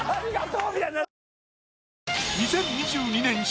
２０２２年